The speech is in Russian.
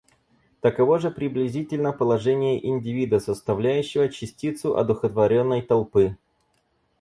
Таково же приблизительно положение индивида, составляющего частицу одухотворенной толпы.